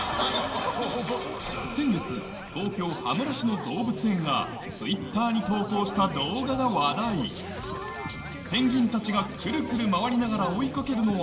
先月東京・羽村市の動物園がＴｗｉｔｔｅｒに投稿した動画が話題くるくる回りながら１匹の